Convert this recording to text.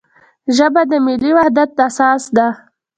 ژبه د ملي وحدت اساس ده.